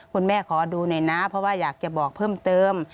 คุณแม่ขอดูหน่อยนะเพราะว่าอยากจะบอกเพิ่มเติม